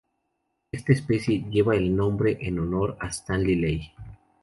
Esta especie lleva el nombre en honor a Stanley Lai.